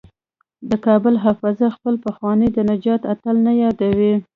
د کابل حافظه خپل پخوانی د نجات اتل نه یادوي.